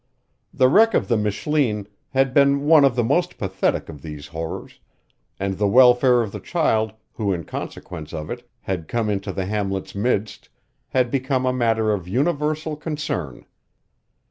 The wreck of the Michleen had been one of the most pathetic of these horrors, and the welfare of the child who in consequence of it had come into the hamlet's midst had become a matter of universal concern.